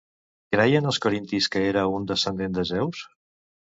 Creien els corintis que era un descendent de Zeus?